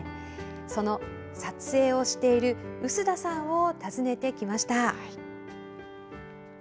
その撮影をしている臼田さんを訪ねてきました。